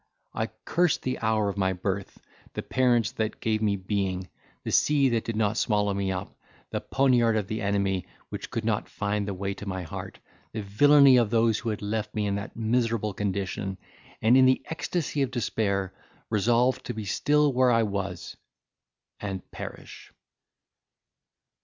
I cursed the hour of my birth, the parents that gave me being, the sea that did not swallow me up, the poniard of the enemy, which could not find the way to my heart, the villainy of those who had left me in that miserable condition; and in the ecstacy of despair resolved to be still where I was, and perish.